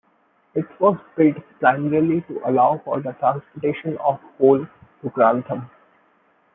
It was built primarily to allow for the transportation of coal to Grantham.